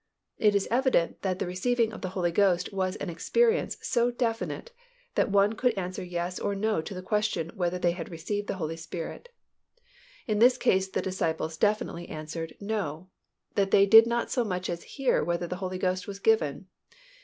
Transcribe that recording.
It is evident that the receiving of the Holy Ghost was an experience so definite that one could answer yes or no to the question whether they had received the Holy Spirit. In this case the disciples definitely answered, "No," that they did not so much as hear whether the Holy Ghost was given.